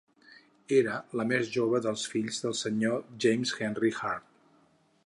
Era la més jove dels fills dels senyors James Henry Hird.